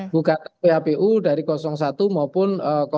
buka phpu dari satu maupun tiga